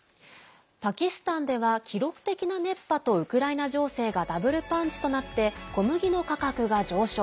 パキスタンでは記録的な熱波とウクライナ情勢がダブルパンチとなって小麦の価格が上昇。